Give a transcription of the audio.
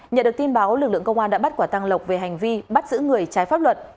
nhận được tin báo lực lượng công an đã bắt quả tăng lộc về hành vi bắt giữ người trái pháp luật